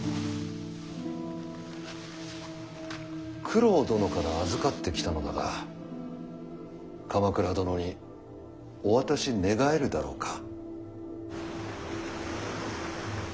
九郎殿から預かってきたのだが鎌倉殿にお渡し願えるだろうか。